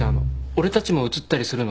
俺たちも映ったりするの？